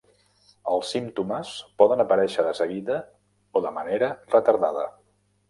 Els símptomes poden aparèixer de seguida o de manera retardada.